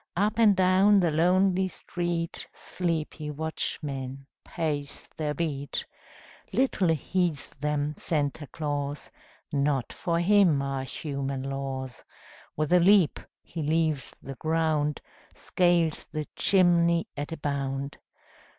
Up and down the lonely street Sleepy watchmen pace their beat. Little heeds them Santa Claus; Not for him are human laws. With a leap he leaves the ground, Scales the chimney at a bound.